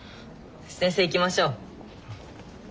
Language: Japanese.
先生行きましょう。